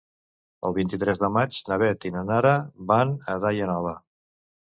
El vint-i-tres de maig na Beth i na Nara van a Daia Nova.